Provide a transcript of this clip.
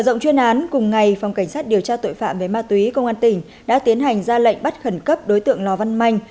do tội phạm về ma túy công an tỉnh đã tiến hành ra lệnh bắt khẩn cấp đối tượng lò văn manh